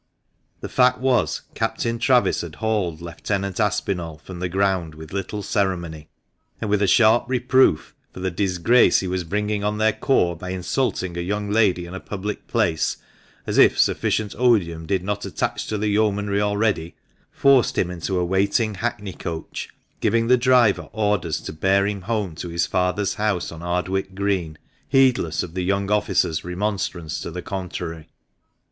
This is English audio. The fact was, Captain Travis had hauled Lieutenant Aspinall from the ground with little ceremony, and with a sharp reproof for "the disgrace he was bringing on their corps by insulting a young lady in a public place, as if sufficient odium did not attach to the Yeomanry already," forced him into a waiting hackney coach, giving the driver orders to bear him home to his father's house on Ardwick Green, heedless of the young officer's remonstrance to the contrary.